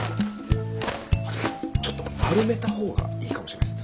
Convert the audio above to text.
ちょっと丸めたほうがいいかもしれないです。